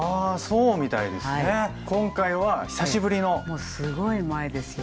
もうすごい前ですよ。